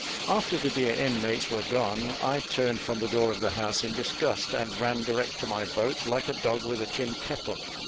After the dear inmates were gone, I turned from the door of the house in disgust, and ran direct to my boat, like a dog with a tin kettle.